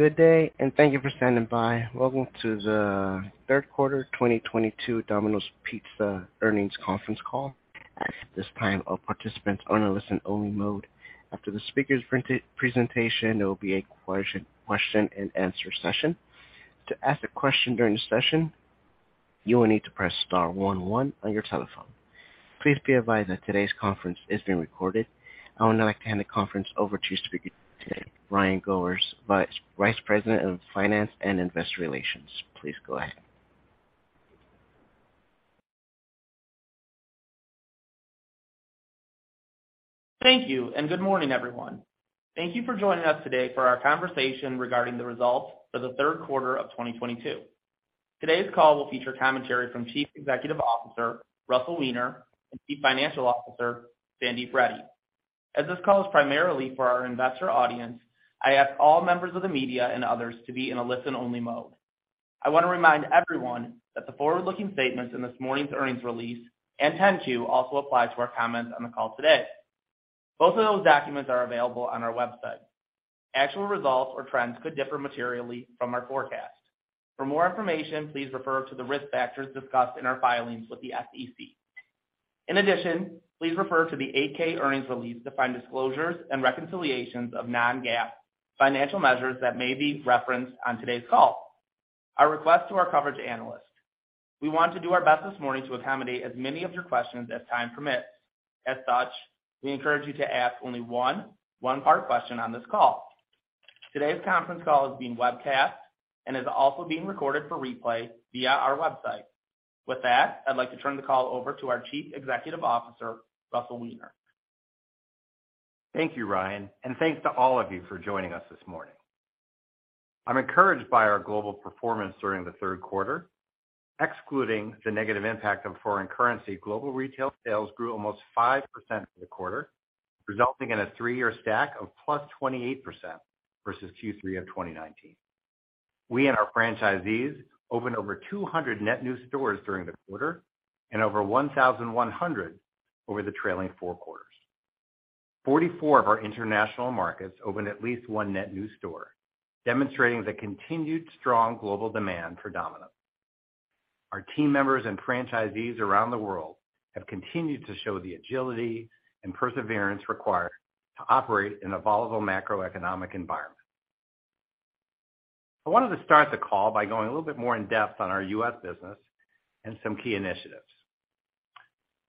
Good day, and thank you for standing by. Welcome to the third quarter 2022 Domino's Pizza earnings conference call. At this time, all participants are in a listen only mode. After the speaker's presentation, there will be a question and answer session. To ask a question during the session, you will need to press star one one on your telephone. Please be advised that today's conference is being recorded. I would now like to hand the conference over to speaker today, Ryan Goers, Vice President of Finance and Investor Relations. Please go ahead. Thank you, and good morning, everyone. Thank you for joining us today for our conversation regarding the results for the third quarter of 2022. Today's call will feature commentary from Chief Executive Officer, Russell Weiner, and Chief Financial Officer, Sandeep Reddy. As this call is primarily for our investor audience, I ask all members of the media and others to be in a listen-only mode. I want to remind everyone that the forward-looking statements in this morning's earnings release and 10-Q also apply to our comments on the call today. Both of those documents are available on our website. Actual results or trends could differ materially from our forecast. For more information, please refer to the risk factors discussed in our filings with the SEC. In addition, please refer to the 8-K earnings release to find disclosures and reconciliations of non-GAAP financial measures that may be referenced on today's call. Our request to our coverage analysts. We want to do our best this morning to accommodate as many of your questions as time permits. As such, we encourage you to ask only one part question on this call. Today's conference call is being webcast and is also being recorded for replay via our website. With that, I'd like to turn the call over to our Chief Executive Officer, Russell Weiner. Thank you, Ryan, and thanks to all of you for joining us this morning. I'm encouraged by our global performance during the third quarter. Excluding the negative impact of foreign currency, global retail sales grew almost 5% for the quarter, resulting in a three-year stack of +28% versus Q3 of 2019. We, and our franchisees opened over 200 net new stores during the quarter and over 1,100 over the trailing four quarters. 44 of our international markets opened at least one net new store, demonstrating the continued strong global demand for Domino's. Our team members and franchisees around the world have continued to show the agility and perseverance required to operate in a volatile macroeconomic environment. I wanted to start the call by going a little bit more in-depth on our US business and some key initiatives.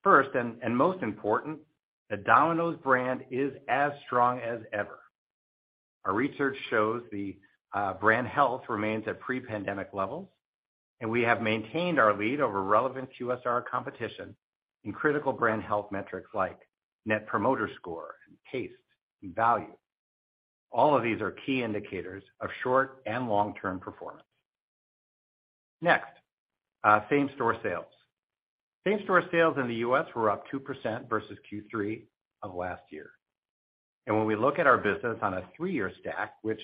First, most important, the Domino's brand is as strong as ever. Our research shows the brand health remains at pre-pandemic levels, and we have maintained our lead over relevant QSR competition in critical brand health metrics like Net Promoter Score and taste and value. All of these are key indicators of short and long-term performance. Next, same-store sales. Same-store sales in the U.S. were up 2% versus Q3 of last year. When we look at our business on a three-year stack, which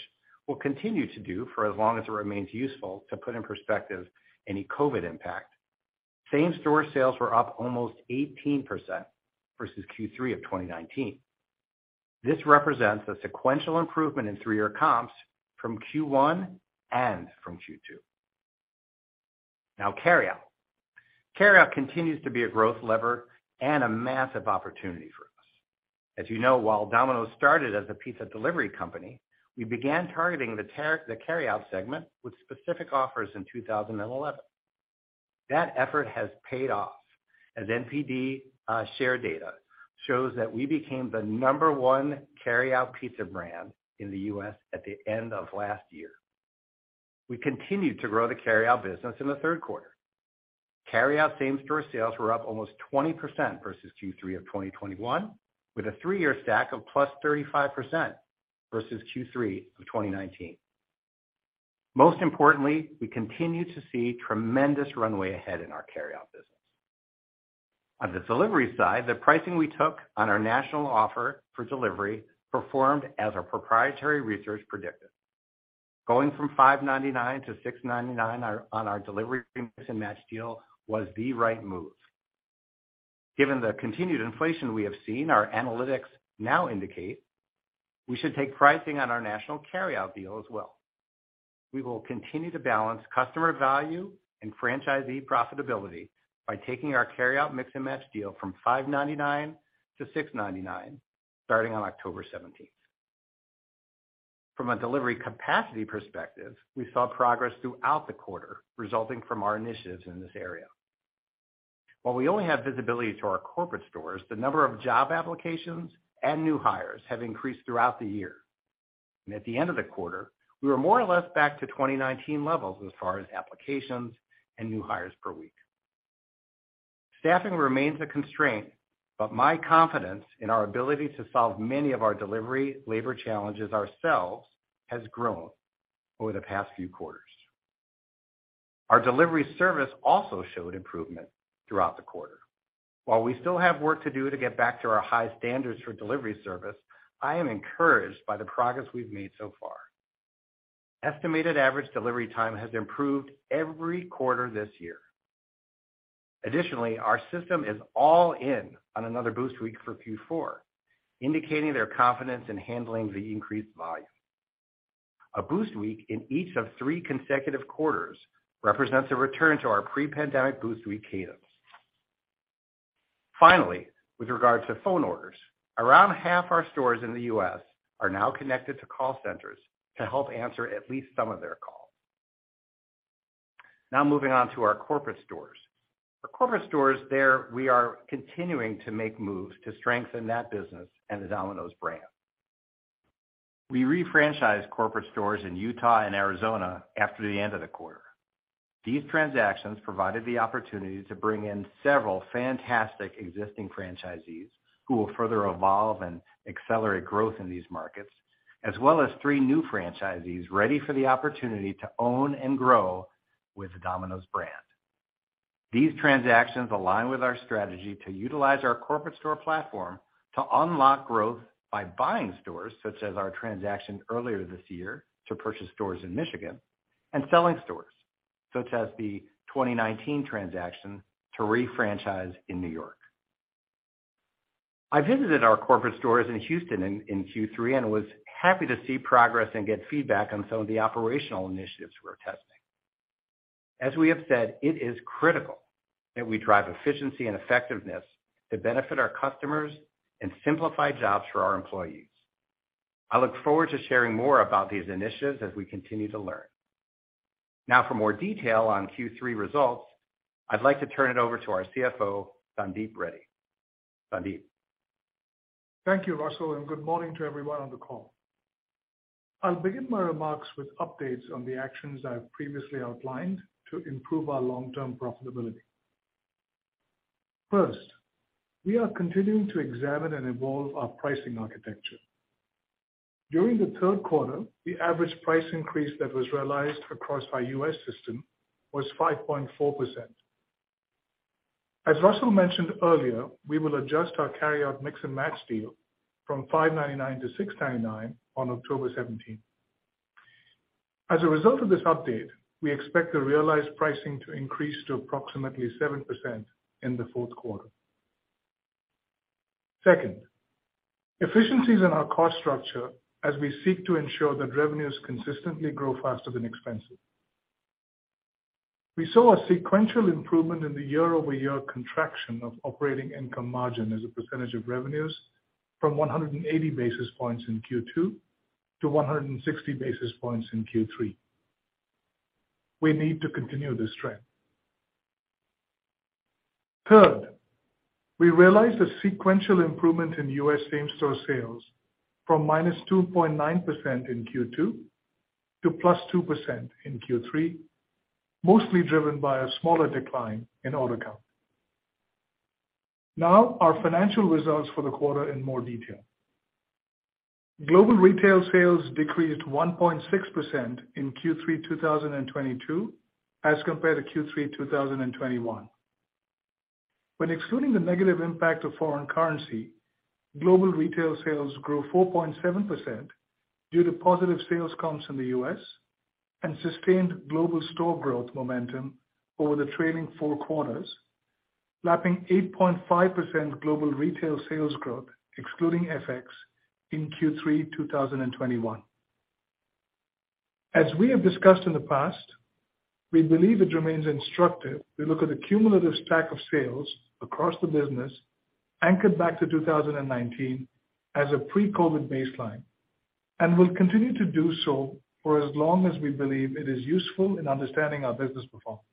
we'll continue to do for as long as it remains useful to put in perspective any COVID impact, same-store sales were up almost 18% versus Q3 of 2019. This represents a sequential improvement in three-year comps from Q1 and from Q2. Now, carry-out. Carry-out continues to be a growth lever and a massive opportunity for us. As you know, while Domino's started as a pizza delivery company, we began targeting the carry-out segment with specific offers in 2011. That effort has paid off, as NPD share data shows that we became the number one carry-out pizza brand in the U.S. at the end of last year. We continued to grow the carry-out business in the third quarter. Carry-out same-store sales were up almost 20% versus Q3 of 2021, with a three-year stack of +35% versus Q3 of 2019. Most importantly, we continue to see tremendous runway ahead in our carry-out business. On the delivery side, the pricing we took on our national offer for delivery performed as our proprietary research predicted. Going from $5.99-$6.99 on our delivery Mix & Match deal was the right move. Given the continued inflation we have seen, our analytics now indicate we should take pricing on our national carry-out deal as well. We will continue to balance customer value and franchisee profitability by taking our carry-out Mix & Match deal from $5.99-$6.99, starting on October 17th. From a delivery capacity perspective, we saw progress throughout the quarter resulting from our initiatives in this area. While we only have visibility to our corporate stores, the number of job applications and new hires have increased throughout the year. At the end of the quarter, we were more or less back to 2019 levels as far as applications and new hires per week. Staffing remains a constraint, but my confidence in our ability to solve many of our delivery labor challenges ourselves has grown over the past few quarters. Our delivery service also showed improvement throughout the quarter. While we still have work to do to get back to our high standards for delivery service, I am encouraged by the progress we've made so far. Estimated average delivery time has improved every quarter this year. Additionally, our system is all in on another Boost Week for Q4, indicating their confidence in handling the increased volume. A Boost Week in each of three consecutive quarters represents a return to our pre-pandemic Boost Week cadence. Finally, with regard to phone orders, around half our stores in the U.S. are now connected to call centers to help answer at least some of their calls. Now moving on to our corporate stores. There we are continuing to make moves to strengthen that business and the Domino's brand. We re-franchised corporate stores in Utah and Arizona after the end of the quarter. These transactions provided the opportunity to bring in several fantastic existing franchisees who will further evolve and accelerate growth in these markets, as well as three new franchisees ready for the opportunity to own and grow with Domino's brand. These transactions align with our strategy to utilize our corporate store platform to unlock growth by buying stores, such as our transaction earlier this year to purchase stores in Michigan, and selling stores, such as the 2019 transaction to re-franchise in New York. I visited our corporate stores in Houston in Q3 and was happy to see progress and get feedback on some of the operational initiatives we're testing. As we have said, it is critical that we drive efficiency and effectiveness to benefit our customers and simplify jobs for our employees. I look forward to sharing more about these initiatives as we continue to learn. Now for more detail on Q3 results, I'd like to turn it over to our CFO, Sandeep Reddy. Sandeep. Thank you, Russell, and good morning to everyone on the call. I'll begin my remarks with updates on the actions I've previously outlined to improve our long-term profitability. First, we are continuing to examine and evolve our pricing architecture. During the third quarter, the average price increase that was realized across our US system was 5.4%. As Russell mentioned earlier, we will adjust our carryout Mix & Match deal from $5.99-$6.99 on October seventeenth. As a result of this update, we expect the realized pricing to increase to approximately 7% in the fourth quarter. Second, efficiencies in our cost structure as we seek to ensure that revenues consistently grow faster than expenses. We saw a sequential improvement in the year-over-year contraction of operating income margin as a percentage of revenues from 180 basis points in Q2 to 160 basis points in Q3. We need to continue this trend. Third, we realized a sequential improvement in U.S. same-store sales from -2.9% in Q2 to +2% in Q3, mostly driven by a smaller decline in order count. Now our financial results for the quarter in more detail. Global retail sales decreased 1.6% in Q3 2022 as compared to Q3 2021. When excluding the negative impact of foreign currency, global retail sales grew 4.7% due to positive sales comps in the U.S. and sustained global store growth momentum over the trailing four quarters, lapping 8.5% global retail sales growth excluding FX in Q3 2021. As we have discussed in the past, we believe it remains instructive to look at the cumulative stack of sales across the business anchored back to 2019 as a pre-COVID baseline, and will continue to do so for as long as we believe it is useful in understanding our business performance.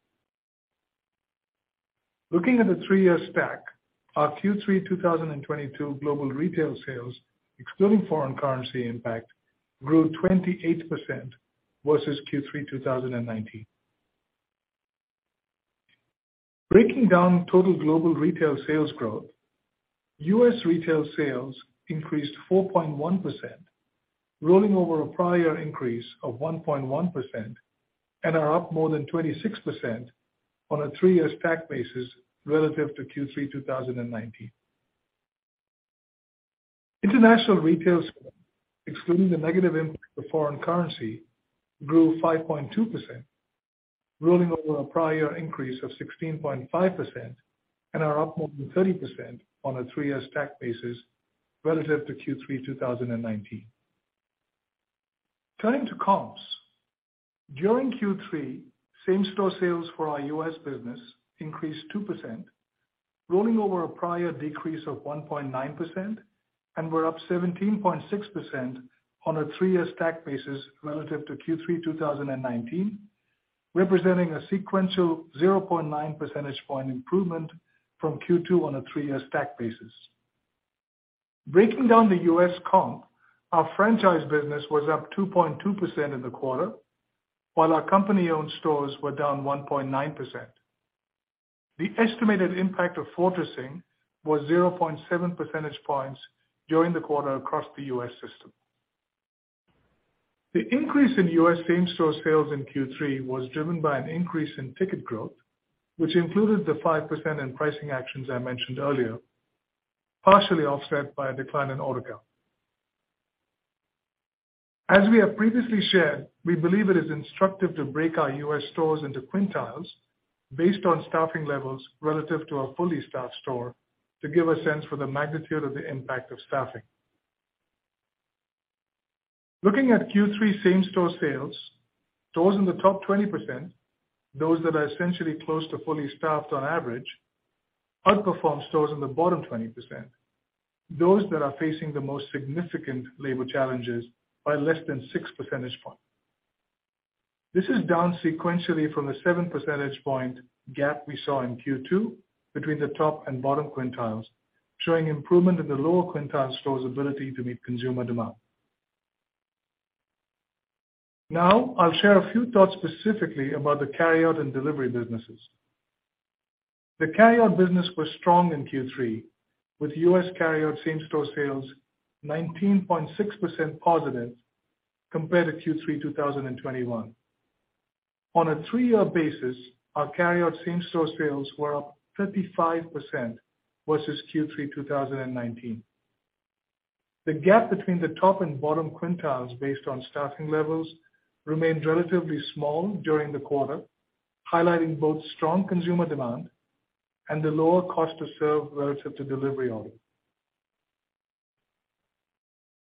Looking at the three-year stack, our Q3 2022 global retail sales, excluding foreign currency impact, grew 28% versus Q3 2019. Breaking down total global retail sales growth, US retail sales increased 4.1%, rolling over a prior increase of 1.1% and are up more than 26% on a three-year stack basis relative to Q3 2019. International retail sales, excluding the negative impact of foreign currency, grew 5.2%, rolling over a prior increase of 16.5% and are up more than 30% on a three-year stack basis relative to Q3 2019. Turning to comps. During Q3, same-store sales for our US business increased 2%, rolling over a prior decrease of 1.9% and were up 17.6% on a three-year stack basis relative to Q3 2019, representing a sequential 0.9 percentage point improvement from Q2 on a three-year stack basis. Breaking down the US comp, our franchise business was up 2.2% in the quarter, while our company-owned stores were down 1.9%. The estimated impact of fortressing was 0.7 percentage points during the quarter across the US system. The increase in US same-store sales in Q3 was driven by an increase in ticket growth, which included the 5% in pricing actions I mentioned earlier, partially offset by a decline in order count. As we have previously shared, we believe it is instructive to break our US stores into quintiles based on staffing levels relative to a fully staffed store to give a sense for the magnitude of the impact of staffing. Looking at Q3 same-store sales, stores in the top 20%, those that are essentially close to fully staffed on average, outperformed stores in the bottom 20%, those that are facing the most significant labor challenges by less than six percentage points. This is down sequentially from the seven percentage point gap we saw in Q2 between the top and bottom quintiles, showing improvement in the lower quintile stores' ability to meet consumer demand. Now, I'll share a few thoughts specifically about the carryout and delivery businesses. The carryout business was strong in Q3, with US carryout same-store sales 19.6%+ compared to Q3 2021. On a three-year basis, our carryout same-store sales were up 35% versus Q3 2019. The gap between the top and bottom quintiles based on staffing levels remained relatively small during the quarter, highlighting both strong consumer demand and the lower cost to serve relative to delivery orders.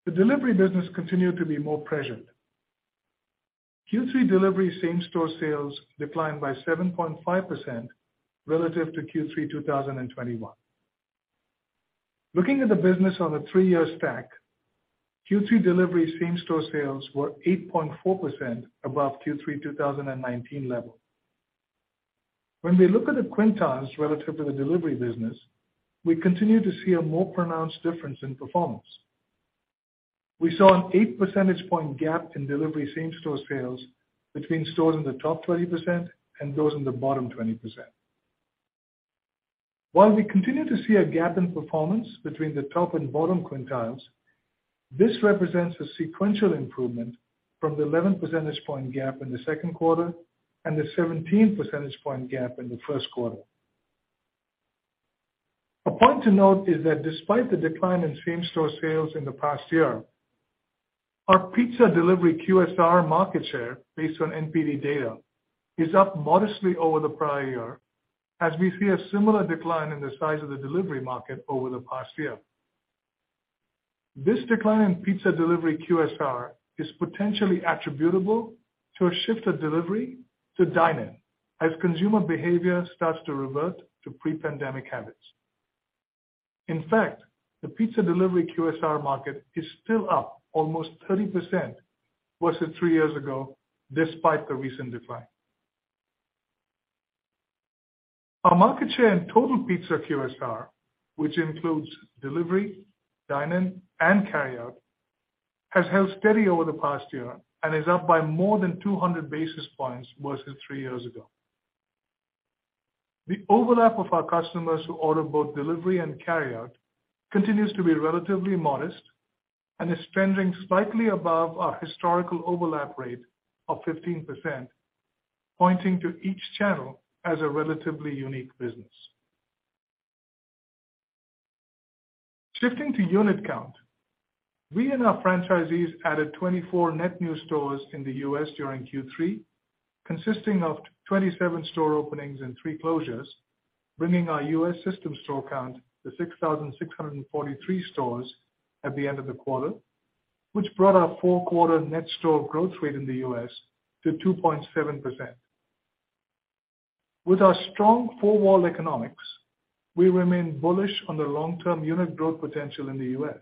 The delivery business continued to be more pressured. Q3 delivery same-store sales declined by 7.5% relative to Q3 2021. Looking at the business on a three-year stack, Q3 delivery same-store sales were 8.4% above Q3 2019 level. When we look at the quintiles relative to the delivery business, we continue to see a more pronounced difference in performance. We saw an eight percentage point gap in delivery same-store sales between stores in the top 20% and those in the bottom 20%. While we continue to see a gap in performance between the top and bottom quintiles, this represents a sequential improvement from the 11 percentage point gap in the second quarter, and the 17 percentage point gap in the first quarter. A point to note is that despite the decline in same-store sales in the past year, our pizza delivery QSR market share based on NPD data is up modestly over the prior year as we see a similar decline in the size of the delivery market over the past year. This decline in pizza delivery QSR is potentially attributable to a shift of delivery to dine-in as consumer behavior starts to revert to pre-pandemic habits. In fact, the pizza delivery QSR market is still up almost 30% versus three years ago, despite the recent decline. Our market share in total pizza QSR, which includes delivery, dine-in, and carryout, has held steady over the past year and is up by more than 200 basis points versus three years ago. The overlap of our customers who order both delivery and carryout continues to be relatively modest and is trending slightly above our historical overlap rate of 15%, pointing to each channel as a relatively unique business. Shifting to unit count, we and our franchisees added 24 net new stores in the U.S. during Q3, consisting of 27 store openings and three closures, bringing our US system store count to 6,643 stores at the end of the quarter, which brought our 4-quarter net store growth rate in the U.S. to 2.7%. With our strong four-wall economics, we remain bullish on the long-term unit growth potential in the U.S.,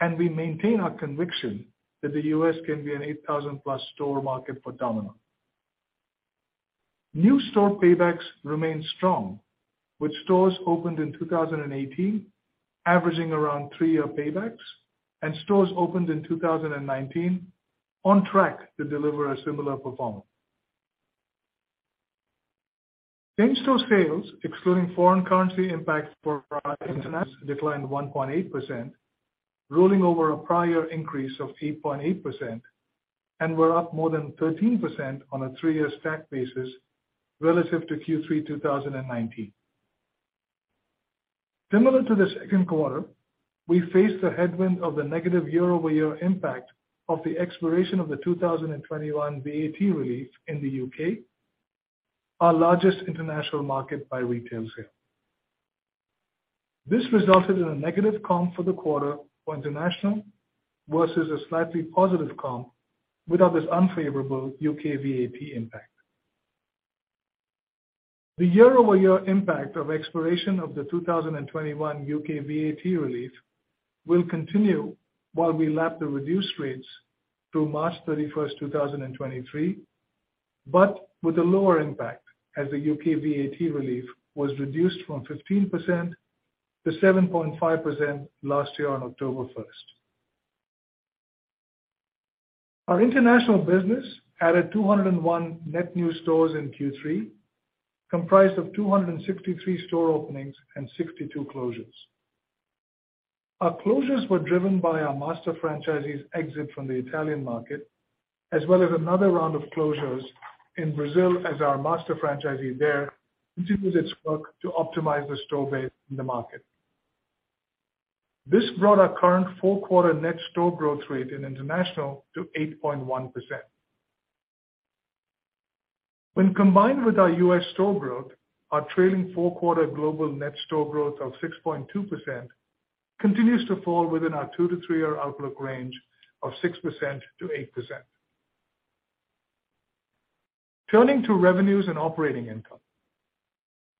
and we maintain our conviction that the U.S. can be an 8,000+ store market for Domino's. New store paybacks remain strong, with stores opened in 2018 averaging around three-year paybacks and stores opened in 2019 on track to deliver a similar performance. Same-store sales, excluding foreign currency impact for our international, declined 1.8%, rolling over a prior increase of 8.8%, and were up more than 13% on a three-year stack basis relative to Q3 2019. Similar to the second quarter, we faced the headwind of the negative year-over-year impact of the expiration of the 2021 VAT relief in the U.K., our largest international market by retail sale. This resulted in a negative comp for the quarter for international versus a slightly positive comp without this unfavorable U.K. VAT impact. The year-over-year impact of expiration of the 2021 UK VAT relief will continue while we lap the reduced rates through March 31st, 2023, but with a lower impact as the UK VAT relief was reduced from 15% to 7.5% last year on October 1st. Our international business added 201 net new stores in Q3, comprised of 263 store openings and 62 closures. Our closures were driven by our master franchisee's exit from the Italian market, as well as another round of closures in Brazil as our master franchisee there continues its work to optimize the store base in the market. This brought our current full-quarter net store growth rate in international to 8.1%. When combined with our US store growth, our trailing 4-quarter global net store growth of 6.2% continues to fall within our two- to three-year outlook range of 6%-8%. Turning to revenues and operating income.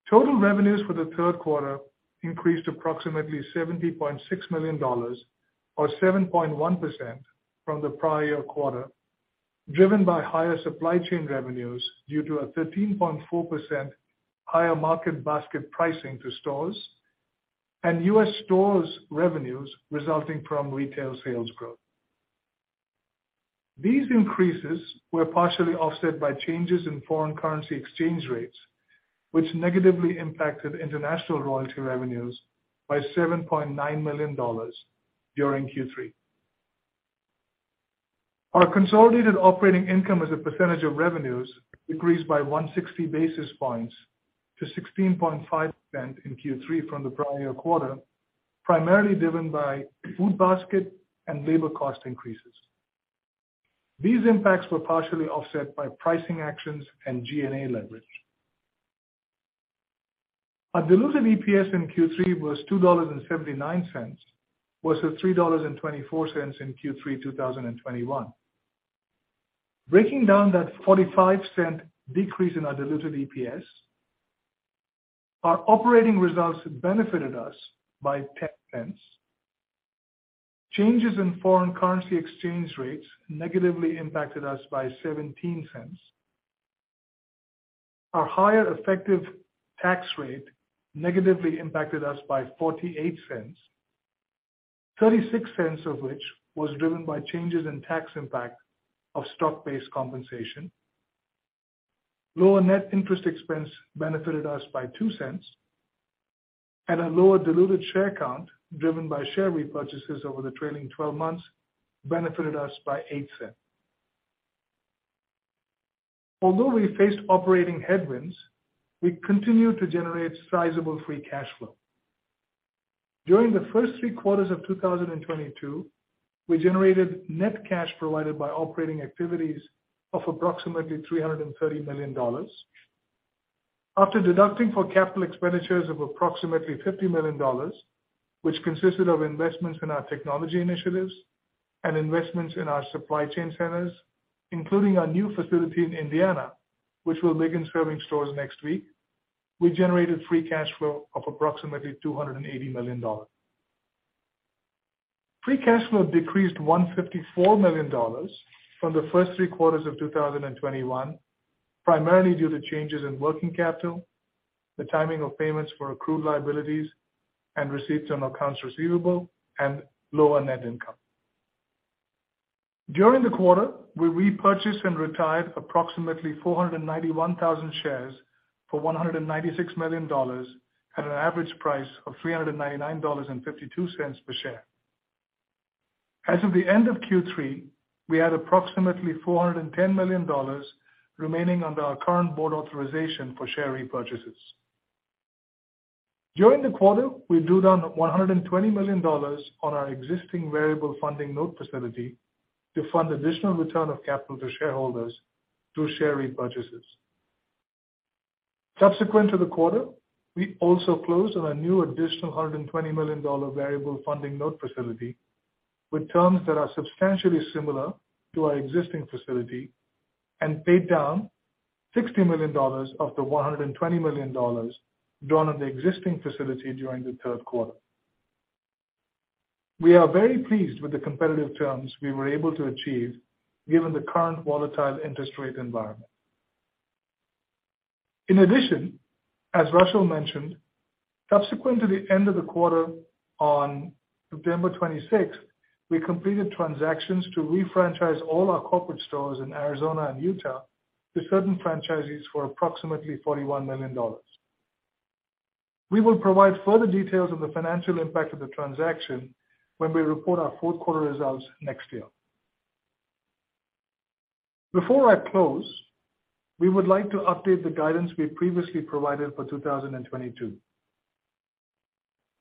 Total revenues for the third quarter increased approximately $70.6 million or 7.1% from the prior quarter, driven by higher supply chain revenues due to a 13.4% higher market basket pricing to stores and US stores revenues resulting from retail sales growth. These increases were partially offset by changes in foreign currency exchange rates, which negatively impacted international royalty revenues by $7.9 million during Q3. Our consolidated operating income as a percentage of revenues decreased by 160 basis points to 16.5% in Q3 from the prior quarter, primarily driven by food basket and labor cost increases. These impacts were partially offset by pricing actions and G&A leverage. Our diluted EPS in Q3 was $2.79 versus $3.24 in Q3 2021. Breaking down that 45-cent decrease in our diluted EPS, our operating results benefited us by 10 cents. Changes in foreign currency exchange rates negatively impacted us by $0.17. Our higher effective tax rate negatively impacted us by $0.48, $0.36 of which was driven by changes in tax impact of stock-based compensation. Lower net interest expense benefited us by $0.02, and our lower diluted share count driven by share repurchases over the trailing 12 months benefited us by $0.08. Although we faced operating headwinds, we continued to generate sizable free cash flow. During the first 3 quarters of 2022, we generated net cash provided by operating activities of approximately $330 million. After deducting for capital expenditures of approximately $50 million, which consisted of investments in our technology initiatives and investments in our supply chain centers, including our new facility in Indiana, which will begin serving stores next week, we generated free cash flow of approximately $280 million. Free cash flow decreased $154 million from the first three quarters of 2021, primarily due to changes in working capital, the timing of payments for accrued liabilities and receipts on accounts receivable and lower net income. During the quarter, we repurchased and retired approximately 491,000 shares for $196 million at an average price of $399.52 per share. As of the end of Q3, we had approximately $410 million remaining under our current board authorization for share repurchases. During the quarter, we drew down $120 million on our existing variable funding note facility to fund additional return of capital to shareholders through share repurchases. Subsequent to the quarter, we also closed on a new additional $120 million variable funding note facility with terms that are substantially similar to our existing facility and paid down $60 million of the $120 million drawn on the existing facility during the third quarter. We are very pleased with the competitive terms we were able to achieve given the current volatile interest rate environment. In addition, as Russell mentioned, subsequent to the end of the quarter on November 26th, we completed transactions to refranchise all our corporate stores in Arizona and Utah to certain franchisees for approximately $41 million. We will provide further details of the financial impact of the transaction when we report our fourth quarter results next year. Before I close, we would like to update the guidance we previously provided for 2022.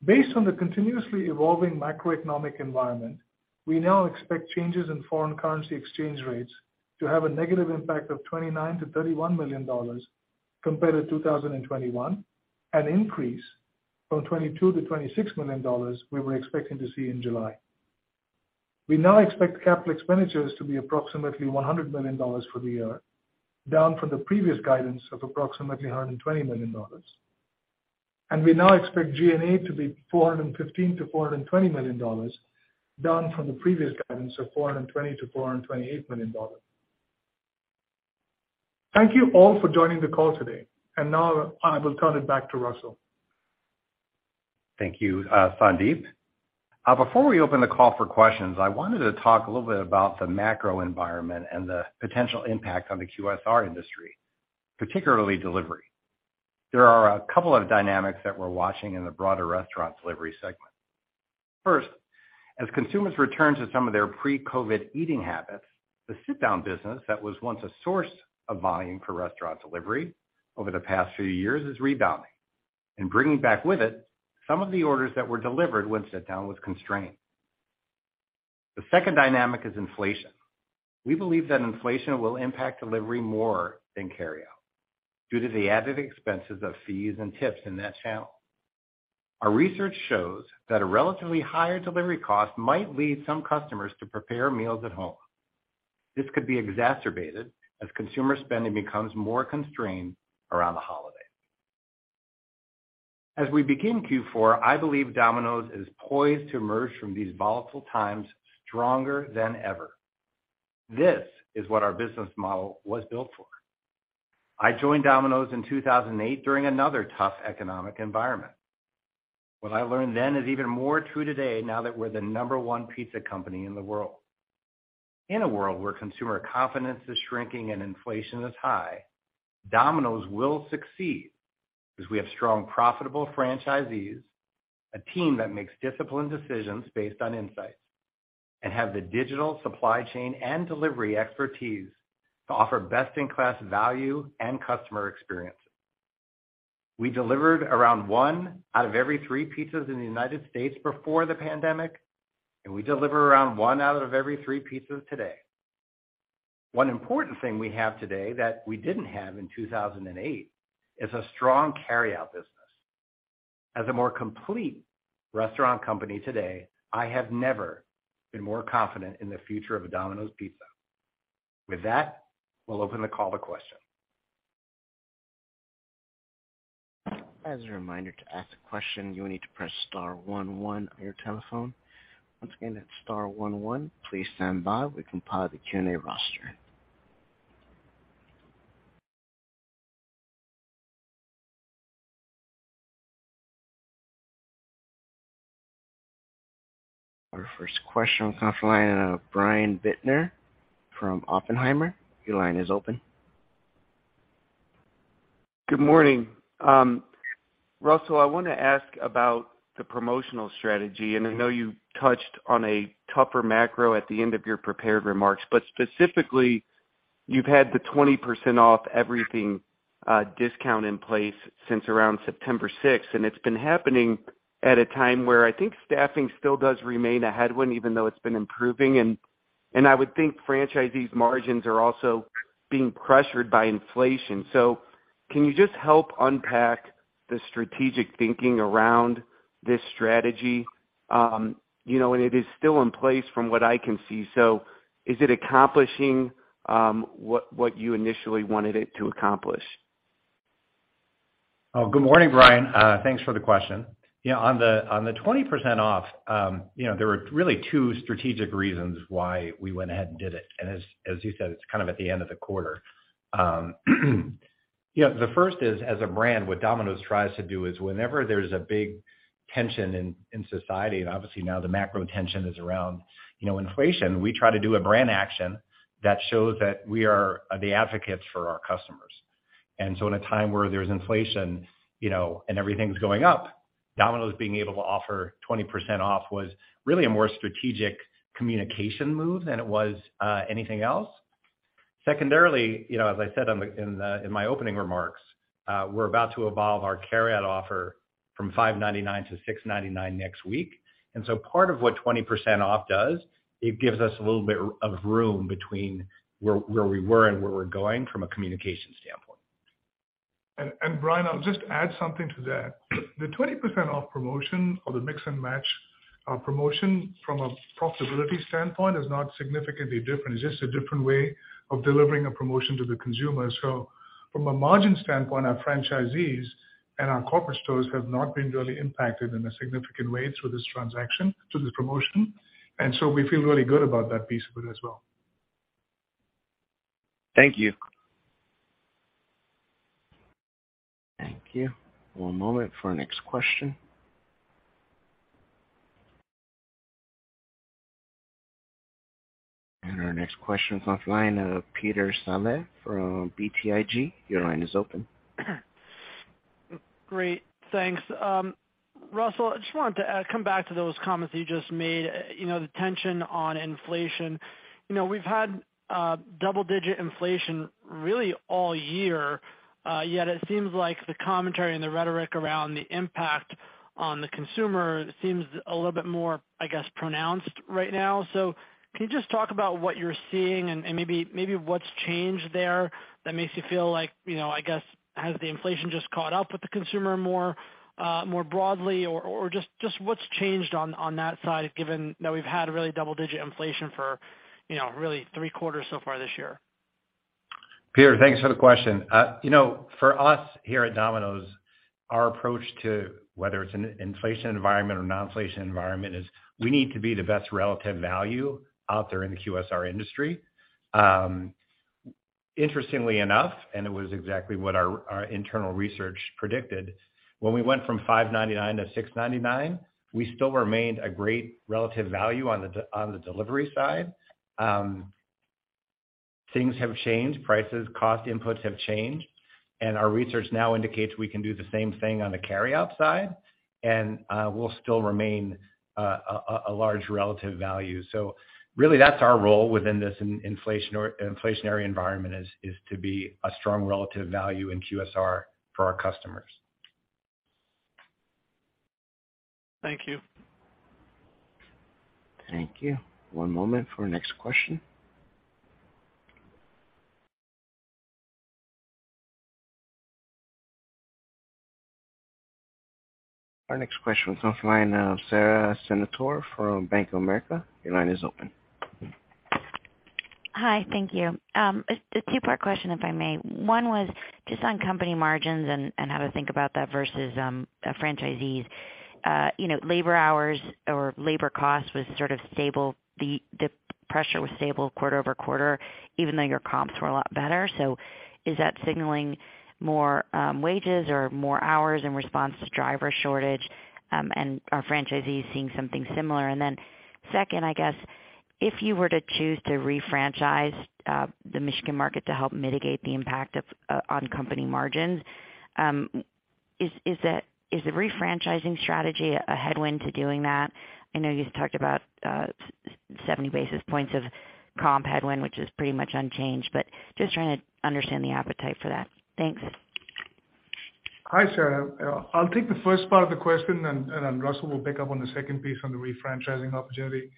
Based on the continuously evolving macroeconomic environment, we now expect changes in foreign currency exchange rates to have a negative impact of $29 million-$31 million compared to 2021, an increase from $22 million-$26 million we were expecting to see in July. We now expect capital expenditures to be approximately $100 million for the year, down from the previous guidance of approximately $120 million. We now expect G&A to be $415 million-$420 million, down from the previous guidance of $420 million-$428 million. Thank you all for joining the call today. Now I will turn it back to Russell. Thank you, Sandeep. Before we open the call for questions, I wanted to talk a little bit about the macro environment and the potential impact on the QSR industry, particularly delivery. There are a couple of dynamics that we're watching in the broader restaurant delivery segment. First, as consumers return to some of their pre-COVID eating habits, the sit-down business that was once a source of volume for restaurant delivery over the past few years is rebounding and bringing back with it some of the orders that were delivered when sit-down was constrained. The second dynamic is inflation. We believe that inflation will impact delivery more than carry out due to the added expenses of fees and tips in that channel. Our research shows that a relatively higher delivery cost might lead some customers to prepare meals at home. This could be exacerbated as consumer spending becomes more constrained around the holiday. As we begin Q4, I believe Domino's is poised to emerge from these volatile times stronger than ever. This is what our business model was built for. I joined Domino's in 2008 during another tough economic environment. What I learned then is even more true today now that we're the number one pizza company in the world. In a world where consumer confidence is shrinking and inflation is high, Domino's will succeed because we have strong, profitable franchisees, a team that makes disciplined decisions based on insights, and have the digital supply chain and delivery expertise to offer best-in-class value and customer experience. We delivered around 1/3 of the pizzas in the United States before the pandemic, and we deliver around 1/3 of the pizzas today. One important thing we have today that we didn't have in 2008 is a strong carryout business. As a more complete restaurant company today, I have never been more confident in the future of Domino's Pizza. With that, we'll open the call to questions. As a reminder, to ask a question, you will need to press star one one on your telephone. Once again, that's star one one. Please stand by. We compile the Q&A roster. Our first question comes from the line of Brian Bittner from Oppenheimer. Your line is open. Good morning. Russell, I want to ask about the promotional strategy, and I know you touched on a tougher macro at the end of your prepared remarks. Specifically, you've had the 20% off everything discount in place since around September 6. It's been happening at a time where I think staffing still does remain a headwind, even though it's been improving. I would think franchisees margins are also being pressured by inflation. Can you just help unpack the strategic thinking around this strategy? You know, and it is still in place from what I can see. Is it accomplishing what you initially wanted it to accomplish? Oh, good morning, Brian. Thanks for the question. Yeah, on the 20% off, you know, there were really two strategic reasons why we went ahead and did it. As you said, it's kind of at the end of the quarter. You know, the first is, as a brand, what Domino's tries to do is whenever there's a big tension in society, and obviously now the macro tension is around, you know, inflation, we try to do a brand action that shows that we are the advocates for our customers. In a time where there's inflation, you know, and everything's going up, Domino's being able to offer 20% off was really a more strategic communication move than it was anything else. Secondarily, you know, as I said in my opening remarks, we're about to evolve our carryout offer from $5.99-$6.99 next week. Part of what 20% off does, it gives us a little bit of room between where we were and where we're going from a communication standpoint. Brian, I'll just add something to that. The 20% off promotion or the Mix & Match promotion from a profitability standpoint is not significantly different. It's just a different way of delivering a promotion to the consumer. From a margin standpoint, our franchisees and our corporate stores have not been really impacted in a significant way to this promotion. We feel really good about that piece of it as well. Thank you. Thank you. One moment for our next question. Our next question is on the line of Peter Saleh from BTIG. Your line is open. Great. Thanks. Russell, I just wanted to come back to those comments you just made. You know, the mention on inflation. You know, we've had double-digit inflation really all year. Yet it seems like the commentary and the rhetoric around the impact on the consumer seems a little bit more, I guess, pronounced right now. Can you just talk about what you're seeing, and maybe what's changed there that makes you feel like, you know, I guess, has the inflation just caught up with the consumer more broadly? Or just what's changed on that side, given that we've had really double-digit inflation for, you know, really three quarters so far this year? Peter, thanks for the question. You know, for us here at Domino's, our approach to whether it's an inflation environment or non-inflation environment is we need to be the best relative value out there in the QSR industry. Interestingly enough, it was exactly what our internal research predicted, when we went from $5.99-$6.99, we still remained a great relative value on the delivery side. Things have changed, prices, cost inputs have changed. Our research now indicates we can do the same thing on the carry out side and we'll still remain a large relative value. Really that's our role within this inflationary environment, is to be a strong relative value in QSR for our customers. Thank you. Thank you. One moment for next question. Our next question comes from the line of Sara Senatore from Bank of America. Your line is open. Hi. Thank you. A two-part question, if I may. One was just on company margins and how to think about that versus franchisees. You know, labor hours or labor cost was sort of stable. The pressure was stable quarter-over-quarter, even though your comps were a lot better. Is that signaling more wages or more hours in response to driver shortage, and are franchisees seeing something similar? Second, I guess if you were to choose to refranchise the Michigan market to help mitigate the impact on company margins, is the refranchising strategy a headwind to doing that? I know you talked about 70 basis points of comp headwind, which is pretty much unchanged, but just trying to understand the appetite for that. Thanks. Hi, Sarah Senatore. I'll take the first part of the question, and then Russell Weiner will pick up on the second piece on the refranchising opportunity.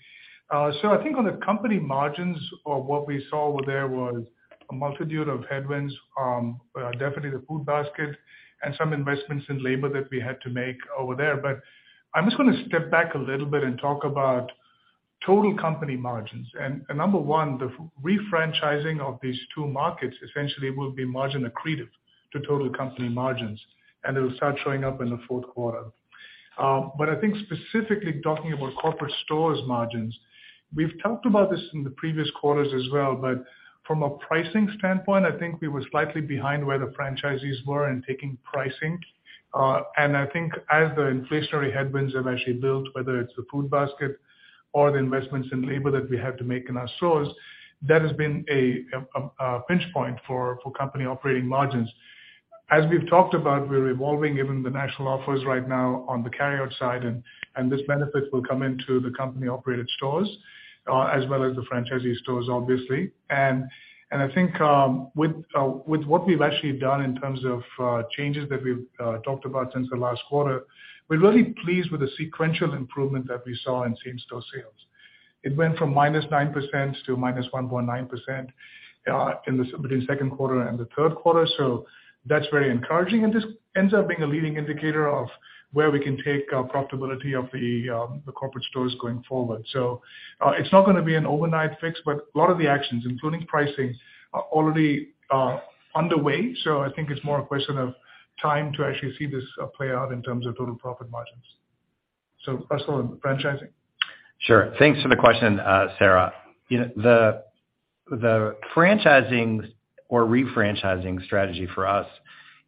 I think on the company margins or what we saw over there was a multitude of headwinds, definitely the food basket and some investments in labor that we had to make over there. I'm just gonna step back a little bit and talk about total company margins. Number one, the refranchising of these two markets essentially will be margin accretive to total company margins, and it will start showing up in the fourth quarter. I think specifically talking about corporate stores margins, we've talked about this in the previous quarters as well, but from a pricing standpoint, I think we were slightly behind where the franchisees were in taking pricing. I think as the inflationary headwinds have actually built, whether it's the food basket or the investments in labor that we have to make in our stores, that has been a pinch point for company operating margins. As we've talked about, we're evolving even the national offers right now on the carryout side and this benefit will come into the company-operated stores as well as the franchisee stores, obviously. I think with what we've actually done in terms of changes that we've talked about since the last quarter, we're really pleased with the sequential improvement that we saw in same-store sales. It went from -9% to -1.9% in between second quarter and the third quarter. That's very encouraging, and this ends up being a leading indicator of where we can take our profitability of the corporate stores going forward. It's not gonna be an overnight fix, but a lot of the actions, including pricing, are already underway. I think it's more a question of time to actually see this play out in terms of total profit margins. Russell, franchising. Sure. Thanks for the question, Sarah. You know, the franchising or refranchising strategy for us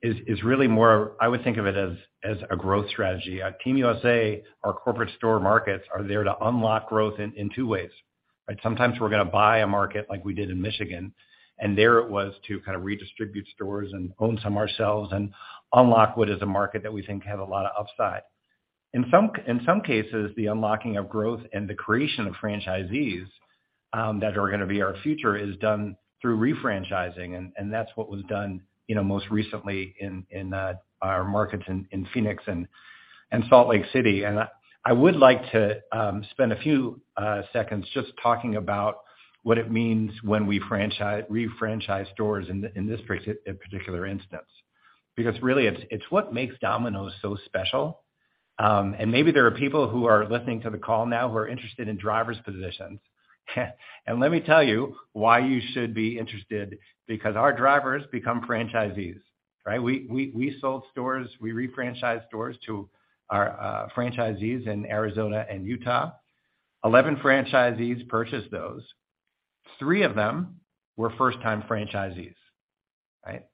is really more, I would think of it as a growth strategy. At Team USA, our corporate store markets are there to unlock growth in two ways, right? Sometimes we're gonna buy a market like we did in Michigan, and there it was to kind of redistribute stores and own some ourselves, and unlock what is a market that we think have a lot of upside? In some cases, the unlocking of growth and the creation of franchisees that are gonna be our future is done through refranchising, and that's what was done, you know, most recently in our markets in Phoenix and Salt Lake City. I would like to spend a few seconds just talking about what it means when we refranchise stores in this particular instance, because really it's what makes Domino's so special. Maybe there are people who are listening to the call now who are interested in drivers positions. Let me tell you why you should be interested, because our drivers become franchisees, right? We sold stores, we refranchised stores to our franchisees in Arizona and Utah. 11 franchisees purchased those. Three of them were first-time franchisees, right?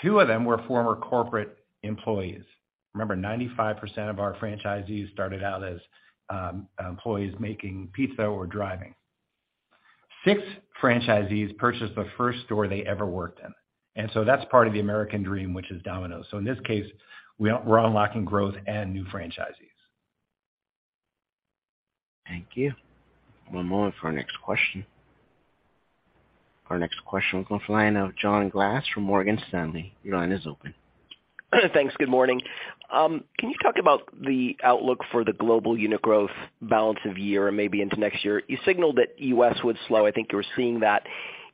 Two of them were former corporate employees. Remember, 95% of our franchisees started out as employees making pizza or driving. Six franchisees purchased the first store they ever worked in. That's part of the American dream, which is Domino's. In this case, we're unlocking growth and new franchisees. Thank you. One moment for our next question. Our next question comes from the line of John Glass from Morgan Stanley. Your line is open. Thanks. Good morning. Can you talk about the outlook for the global unit growth balance of year and maybe into next year? You signaled that U.S. would slow. I think you were seeing that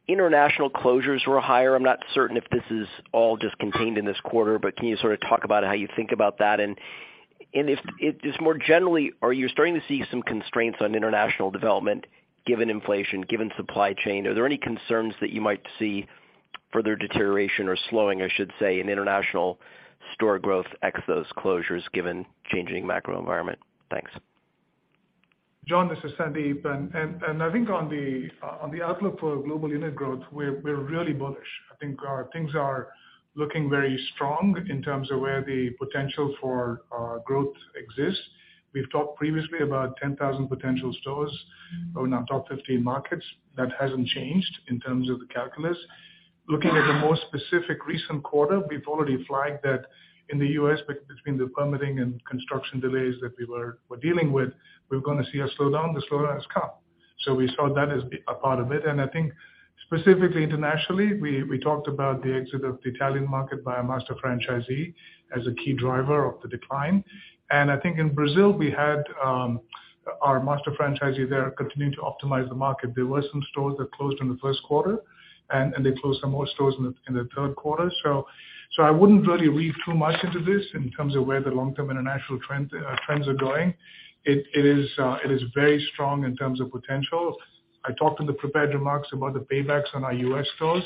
international closures were higher. I'm not certain if this is all just contained in this quarter, but can you sort of talk about how you think about that? If just more generally, are you starting to see some constraints on international development given inflation, given supply chain? Are there any concerns that you might see further deterioration or slowing, I should say, in international store growth ex those closures given changing macro environment? Thanks. John, this is Sandeep. I think on the outlook for global unit growth, we're really bullish. I think our things are looking very strong in terms of where the potential for growth exists. We've talked previously about 10,000 potential stores in our top 15 markets. That hasn't changed in terms of the calculus. Looking at the more specific recent quarter, we've already flagged that in the U.S. between the permitting and construction delays that we're dealing with, we're gonna see a slowdown. The slowdown has come. We saw that as a part of it. I think specifically internationally, we talked about the exit of the Italian market by a master franchisee as a key driver of the decline. I think in Brazil, we had our master franchisee there continuing to optimize the market. There were some stores that closed in the first quarter, and they closed some more stores in the third quarter. I wouldn't really read too much into this in terms of where the long-term international trends are going. It is very strong in terms of potential. I talked in the prepared remarks about the paybacks on our US stores.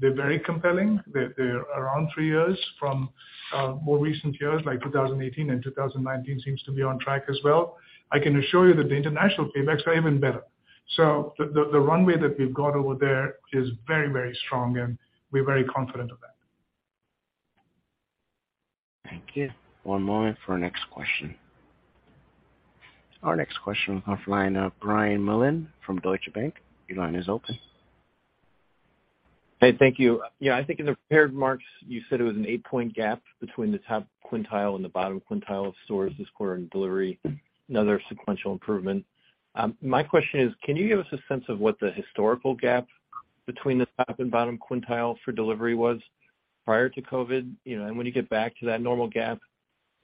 They're very compelling. They're around three years from more recent years, like 2018 and 2019 seems to be on track as well. I can assure you that the international paybacks are even better. The runway that we've got over there is very strong, and we're very confident of that. Thank you. One moment for our next question. Our next question comes from the line of Brian Mullan from Deutsche Bank. Your line is open. Hey, thank you. Yeah, I think in the prepared marks, you said it was an 8-point gap between the top quintile and the bottom quintile of stores this quarter in delivery, another sequential improvement. My question is, can you give us a sense of what the historical gap between the top and bottom quintile for delivery was prior to COVID? You know, and when you get back to that normal gap,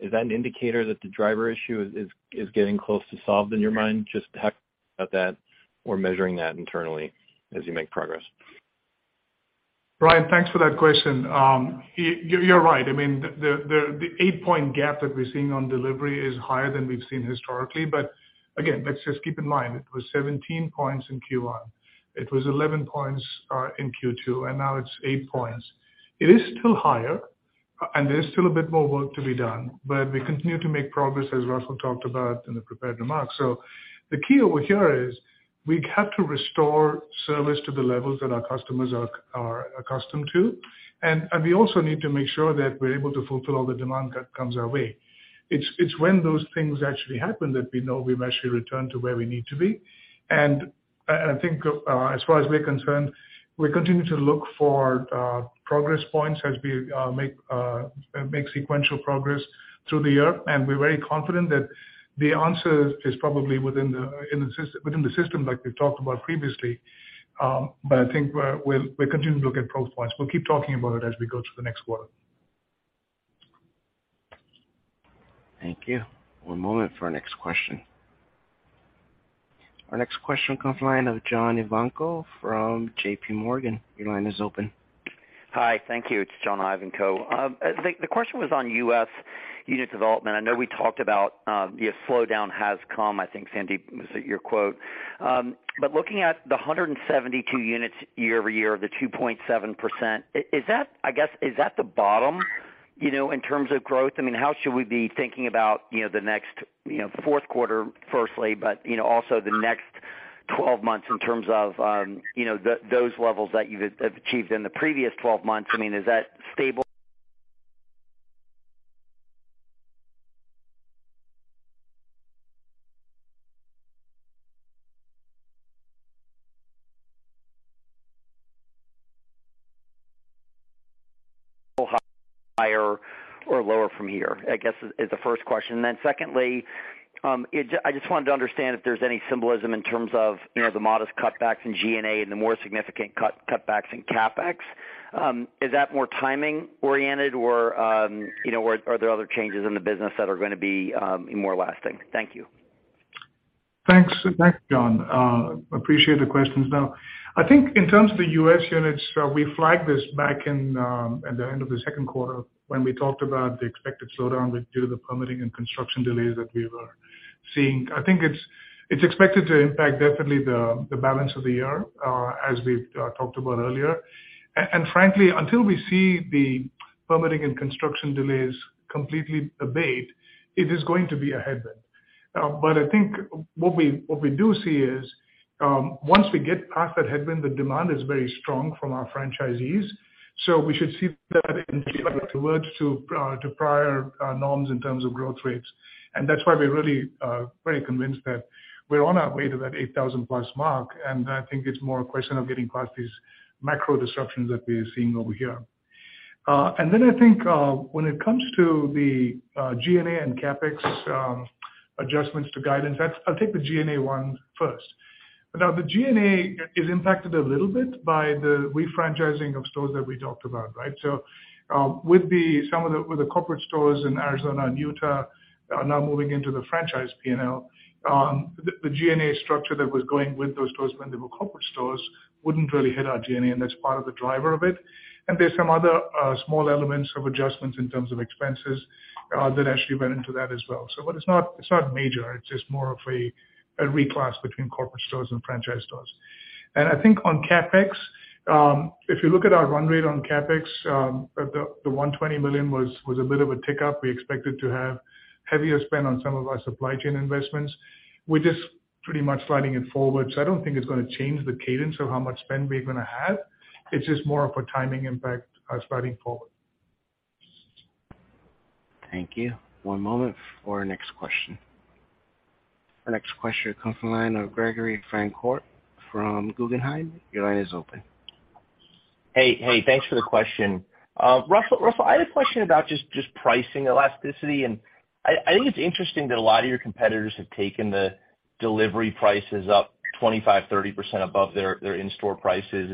is that an indicator that the driver issue is getting close to solved in your mind? Just talk about that or measuring that internally as you make progress. Brian, thanks for that question. You're right. I mean, the 8-point gap that we're seeing on delivery is higher than we've seen historically, but again, let's just keep in mind, it was 17 points in Q1, it was 11 points in Q2, and now it's 8 points. It is still higher, and there's still a bit more work to be done, but we continue to make progress, as Russell talked about in the prepared remarks. The key over here is we have to restore service to the levels that our customers are accustomed to. We also need to make sure that we're able to fulfill all the demand that comes our way. It's when those things actually happen that we know we've actually returned to where we need to be. I think as far as we're concerned, we continue to look for progress points as we make sequential progress through the year. We're very confident that the answer is probably within the system like we've talked about previously. But I think we're continuing to look at progress points. We'll keep talking about it as we go through the next quarter. Thank you. One moment for our next question. Our next question comes from the line of John Ivankoe from JPMorgan. Your line is open. Hi. Thank you. It's John Ivankoe. The question was on US unit development. I know we talked about the slowdown has come, I think, Sandeep, was it your quote? But looking at the 172 units year-over-year of the 2.7%, is that the bottom, you know, in terms of growth? I mean, how should we be thinking about, you know, the next fourth quarter firstly, but, you know, also the next twelve months in terms of, you know, those levels that you've achieved in the previous twelve months? I mean, is that stable higher or lower from here, I guess is the first question. I just wanted to understand if there's any symbolism in terms of, you know, the modest cutbacks in G&A and the more significant cutbacks in CapEx. Is that more timing oriented or, you know, or are there other changes in the business that are gonna be more lasting? Thank you. Thanks. Thanks, John. Appreciate the questions. Now, I think in terms of the US units, we flagged this back in at the end of the second quarter when we talked about the expected slowdown due to the permitting and construction delays that we were seeing. I think it's expected to impact definitely the balance of the year, as we talked about earlier. Frankly, until we see the permitting and construction delays completely abate, it is going to be a headwind. I think what we do see is, once we get past that headwind, the demand is very strong from our franchisees. We should see that towards to prior norms in terms of growth rates. That's why we're really very convinced that we're on our way to that 8,000+ mark, and I think it's more a question of getting past these macro disruptions that we're seeing over here. I think when it comes to the G&A and CapEx adjustments to guidance, that's. I'll take the G&A one first. Now, the G&A is impacted a little bit by the refranchising of stores that we talked about, right? With some of the corporate stores in Arizona and Utah are now moving into the franchise P&L, the G&A structure that was going with those stores when they were corporate stores wouldn't really hit our G&A, and that's part of the driver of it. There's some other small elements of adjustments in terms of expenses that actually went into that as well. It's not major, it's just more of a reclass between corporate stores and franchise stores. I think on CapEx, if you look at our run rate on CapEx, the $120 million was a bit of a tick up. We expected to have heavier spend on some of our supply chain investments. We're just pretty much sliding it forward, so I don't think it's gonna change the cadence of how much spend we're gonna have. It's just more of a timing impact, sliding forward. Thank you. One moment for our next question. Our next question comes from the line of Gregory Francfort from Guggenheim. Your line is open. Hey. Hey, thanks for the question. Russell, I had a question about just pricing elasticity. I think it's interesting that a lot of your competitors have taken the delivery prices up 25%-30% above their in-store prices.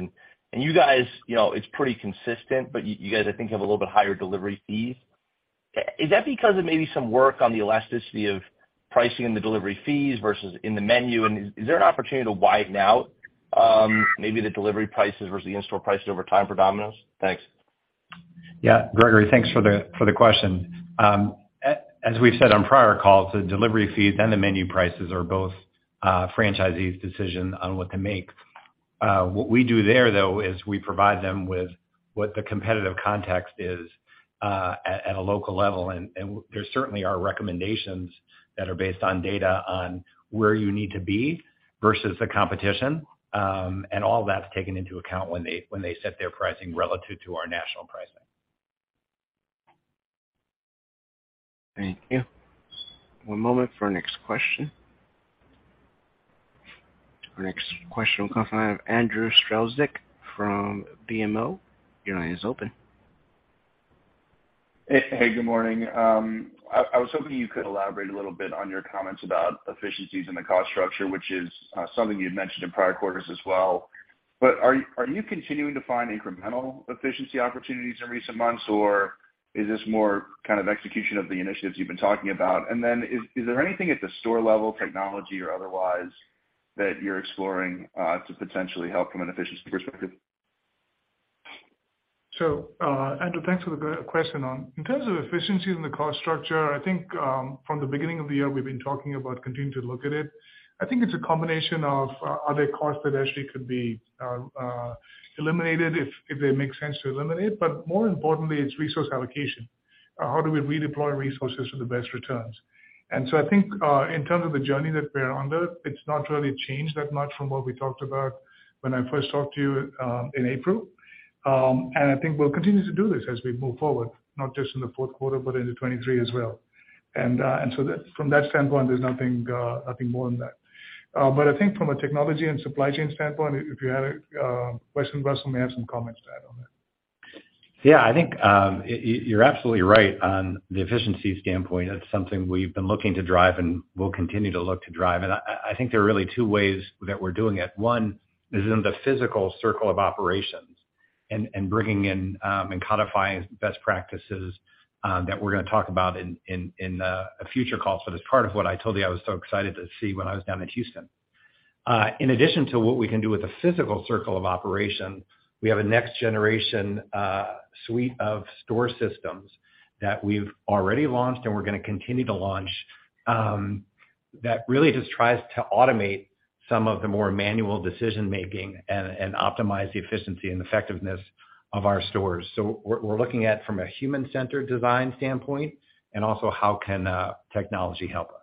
You guys, you know, it's pretty consistent, but you guys I think have a little bit higher delivery fees. Is that because of maybe some work on the elasticity of pricing in the delivery fees versus in the menu? Is there an opportunity to widen out maybe the delivery prices versus the in-store prices over time for Domino's? Thanks. Yeah. Gregory, thanks for the question. As we've said on prior calls, the delivery fees and the menu prices are both franchisee's decision on what to make. What we do there, though, is we provide them with what the competitive context is at a local level. There certainly are recommendations that are based on data on where you need to be versus the competition. All that's taken into account when they set their pricing relative to our national pricing. Thank you. One moment for our next question. Our next question will come from Andrew Strelzik from BMO. Your line is open. Hey. Hey, good morning. I was hoping you could elaborate a little bit on your comments about efficiencies in the cost structure, which is something you'd mentioned in prior quarters as well. Are you continuing to find incremental efficiency opportunities in recent months, or is this more kind of execution of the initiatives you've been talking about? Is there anything at the store level, technology or otherwise, that you're exploring to potentially help from an efficiency perspective? Andrew, thanks for the question. In terms of efficiencies in the cost structure, I think, from the beginning of the year, we've been talking about continuing to look at it. I think it's a combination of, are there costs that actually could be eliminated if they make sense to eliminate? But more importantly, it's resource allocation. How do we redeploy resources for the best returns? I think, in terms of the journey that we're under, it's not really changed that much from what we talked about when I first talked to you, in April. I think we'll continue to do this as we move forward, not just in the fourth quarter, but into 2023 as well. From that standpoint, there's nothing more than that. I think from a technology and supply chain standpoint, if you had a question, Russell may have some comments to add on that. Yeah. I think you're absolutely right on the efficiency standpoint. That's something we've been looking to drive and will continue to look to drive. I think there are really two ways that we're doing it. One is in the physical circle of operations, and bringing in and codifying best practices that we're gonna talk about in a future call. That's part of what I told you I was so excited to see when I was down in Houston. In addition to what we can do with the physical circle of operation, we have a next generation suite of store systems that we've already launched and we're gonna continue to launch that really just tries to automate some of the more manual decision-making and optimize the efficiency and effectiveness of our stores. We're looking at from a human-centered design standpoint and also how can technology help us.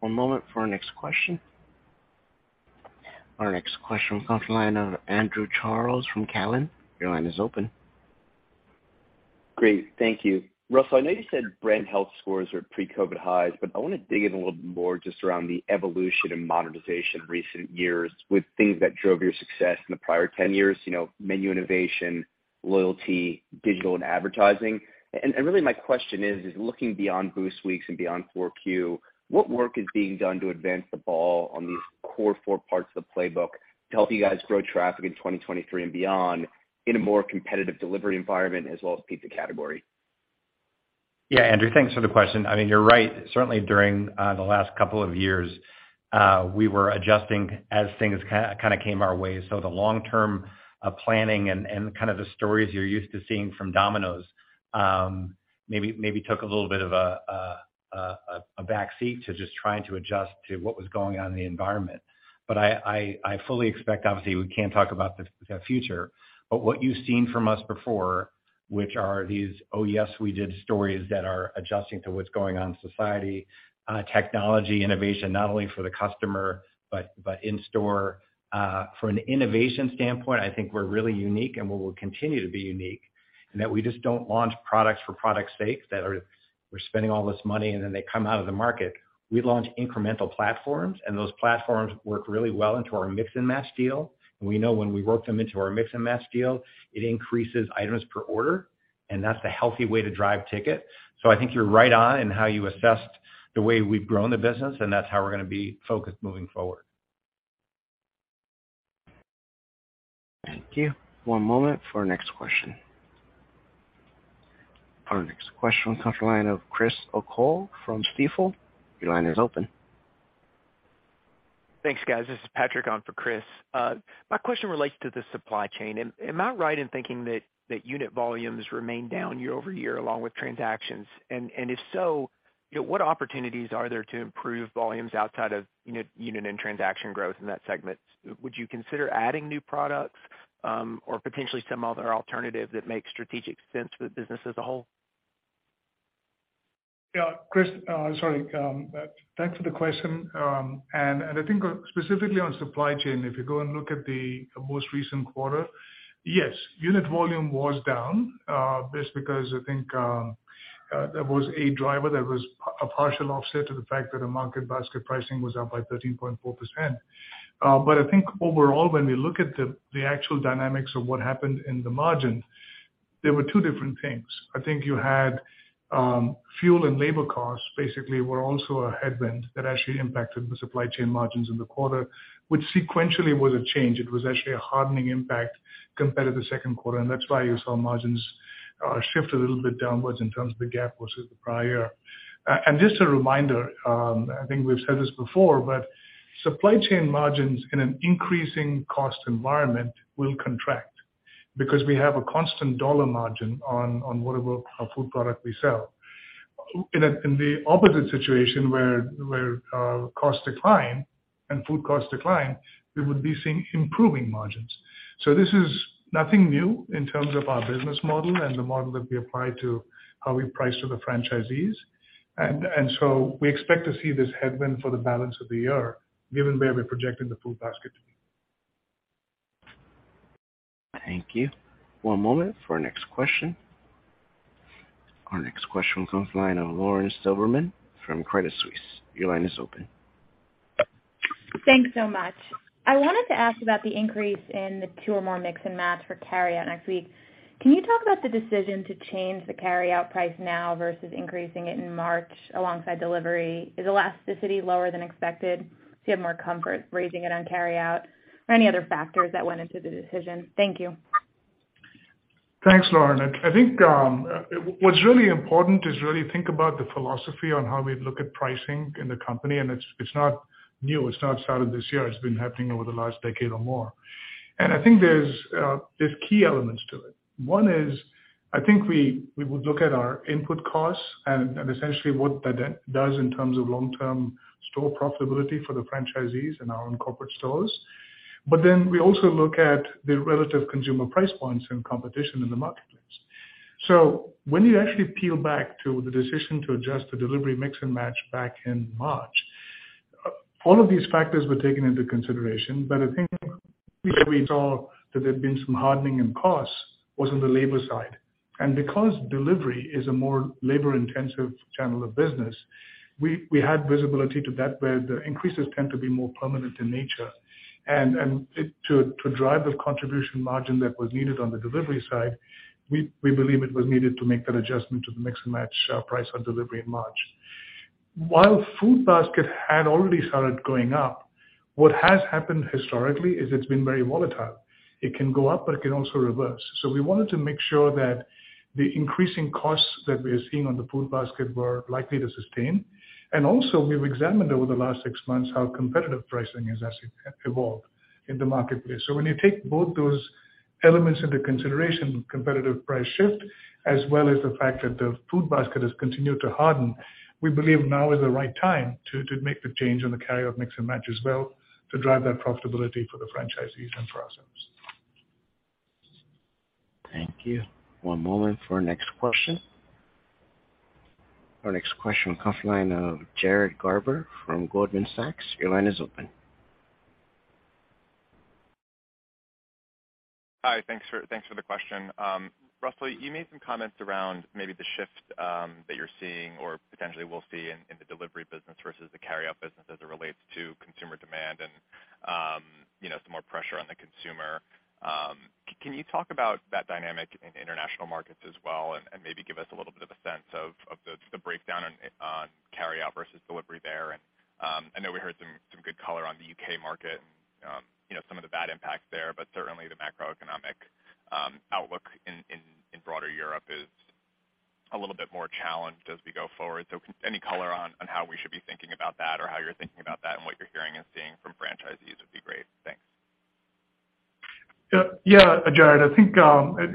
One moment for our next question. Our next question comes from the line of Andrew Charles from Cowen. Your line is open. Great. Thank you. Russell, I know you said brand health scores are pre-COVID highs, but I wanna dig in a little bit more just around the evolution and modernization in recent years with things that drove your success in the prior 10 years. You know, menu innovation, loyalty, digital, and advertising. Really my question is, looking beyond Boost Weeks and beyond Q4, what work is being done to advance the ball on these core four parts of the playbook to help you guys grow traffic in 2023, and beyond in a more competitive delivery environment as well as pizza category? Yeah. Andrew, thanks for the question. I mean, you're right. Certainly during the last couple of years, we were adjusting as things kind of came our way. The long-term planning and kind of the stories you're used to seeing from Domino's, maybe took a little bit of a backseat to just trying to adjust to what was going on in the environment. I fully expect, obviously, we can't talk about the future, but what you've seen from us before, which are these, oh, yes, we did stories that are adjusting to what's going on in society, technology, innovation, not only for the customer but in store. From an innovation standpoint, I think we're really unique and we will continue to be unique, in that we just don't launch products for product's sake, we're spending all this money, and then they come out of the market. We launch incremental platforms, and those platforms work really well into our Mix & Match deal. We know when we work them into our Mix & Match deal, it increases items per order, and that's the healthy way to drive ticket. I think you're right on in how you assessed the way we've grown the business, and that's how we're gonna be focused moving forward. Thank you. One moment for our next question. Our next question comes from the line of Chris O'Cull from Stifel. Your line is open. Thanks, guys. This is Patrick on for Chris. My question relates to the supply chain. Am I right in thinking that unit volumes remain down year-over-year along with transactions? If so, you know, what opportunities are there to improve volumes outside of unit and transaction growth in that segment? Would you consider adding new products, or potentially some other alternative that makes strategic sense for the business as a whole? Yeah, Patrick, sorry, thanks for the question. I think specifically on supply chain, if you go and look at the most recent quarter, yes, unit volume was down, just because I think there was a driver that was partial offset to the fact that the market basket pricing was up by 13.4%. But I think overall, when we look at the actual dynamics of what happened in the margin, there were two different things. I think you had fuel and labor costs basically were also a headwind that actually impacted the supply chain margins in the quarter, which sequentially was a change. It was actually a hardening impact compared to the second quarter, and that's why you saw margins shift a little bit downwards in terms of the gap versus the prior. Just a reminder, I think we've said this before, but supply chain margins in an increasing cost environment will contract because we have a constant dollar margin on whatever food product we sell. In the opposite situation where costs decline and food costs decline, we would be seeing improving margins. This is nothing new in terms of our business model and the model that we apply to how we price to the franchisees. We expect to see this headwind for the balance of the year given where we're projecting the food basket to be. Thank you. One moment for our next question. Our next question comes from the line of Lauren Silberman from Credit Suisse. Your line is open. Thanks so much. I wanted to ask about the increase in the two or more Mix & Match for carryout next week. Can you talk about the decision to change the carryout price now versus increasing it in March alongside delivery? Is elasticity lower than expected, so you have more comfort raising it on carryout or any other factors that went into the decision? Thank you. Thanks, Lauren. I think what's really important is really think about the philosophy on how we look at pricing in the company, and it's not new. It's not started this year. It's been happening over the last decade or more. I think there's key elements to it. One is, I think we would look at our input costs and essentially what that does in terms of long-term store profitability for the franchisees and our own corporate stores. Then we also look at the relative consumer price points and competition in the marketplace. When you actually peel back to the decision to adjust the delivery Mix & Match back in March, all of these factors were taken into consideration. I think where we saw that there had been some hardening in costs was on the labor side. Because delivery is a more labor-intensive channel of business, we had visibility to that where the increases tend to be more permanent in nature. To drive the contribution margin that was needed on the delivery side, we believe it was needed to make that adjustment to the Mix & Match price on delivery in March. While food basket had already started going up, what has happened historically is it's been very volatile. It can go up, but it can also reverse. So we wanted to make sure that the increasing costs that we are seeing on the food basket were likely to sustain. Also we've examined over the last six months how competitive pricing has actually evolved in the marketplace. When you take both those elements into consideration, competitive price shift, as well as the fact that the food basket has continued to harden, we believe now is the right time to make the change on the carryout Mix & Match as well to drive that profitability for the franchisees and for ourselves. Thank you. One moment for our next question. Our next question comes from the line of Jared Garber from Goldman Sachs. Your line is open. Hi, thanks for the question. Russell, you made some comments around maybe the shift that you're seeing or potentially will see in the delivery business versus the carryout business as it relates to consumer demand and, you know, some more pressure on the consumer. Can you talk about that dynamic in international markets as well and maybe give us a little bit of a sense of the breakdown on carryout versus delivery there? I know we heard some good color on the U.K. market and, you know, some of the bad impacts there, but certainly the macroeconomic outlook in broader Europe is a little bit more challenged as we go forward. Any color on how we should be thinking about that or how you're thinking about that and what you're hearing and seeing from franchisees would be great. Thanks. Yeah. Yeah, Jared, I think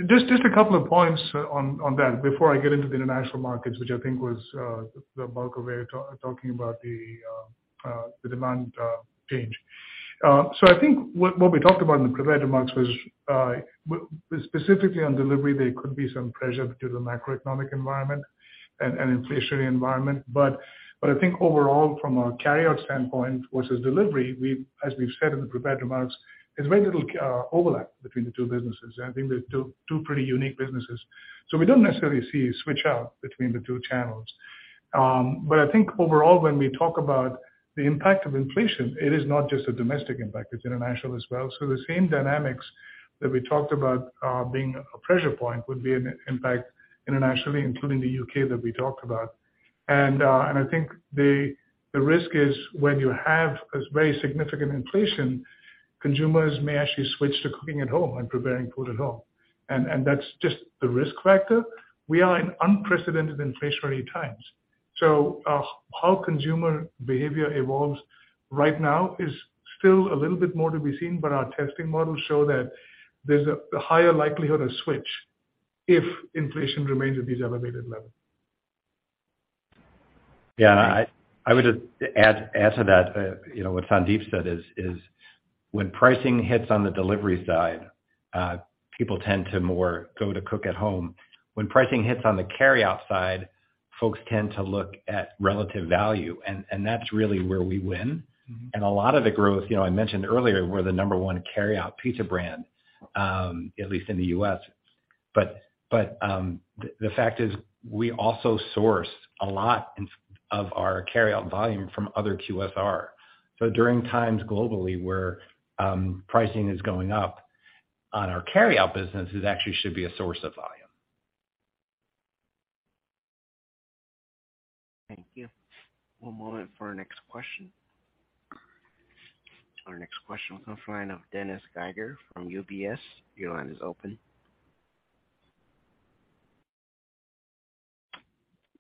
just a couple of points on that before I get into the international markets, which I think was the bulk of where you're talking about the demand change. I think what we talked about in the prepared remarks was specifically on delivery, there could be some pressure due to the macroeconomic environment and inflationary environment. I think overall from a carryout standpoint versus delivery, as we've said in the prepared remarks, there's very little overlap between the two businesses. I think they're two pretty unique businesses. We don't necessarily see a switch out between the two channels. I think overall, when we talk about the impact of inflation, it is not just a domestic impact, it's international as well. The same dynamics that we talked about being a pressure point would be an impact internationally, including the U.K. that we talked about. I think the risk is when you have a very significant inflation, consumers may actually switch to cooking at home and preparing food at home. That's just the risk factor. We are in unprecedented inflationary times. How consumer behavior evolves right now is still a little bit more to be seen, but our testing models show that there's a higher likelihood to switch if inflation remains at these elevated levels. Yeah. I would just add to that, you know, what Sandeep said is when pricing hits on the delivery side, people tend to more go to cook at home. When pricing hits on the carryout side, folks tend to look at relative value, and that's really where we win. A lot of the growth, you know, I mentioned earlier we're the number one carryout pizza brand, at least in the U.S. The fact is we also source a lot of our carryout volume from other QSR. During times globally where pricing is going up on our carryout business, it actually should be a source of volume. Thank you. One moment for our next question. Our next question comes from the line of Dennis Geiger from UBS. Your line is open.